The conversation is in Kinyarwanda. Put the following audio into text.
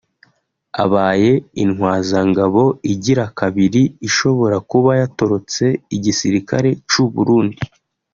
abaye intwazangabo igira kabiri ishobora kuba yatorotse igisirikare c'u Burundi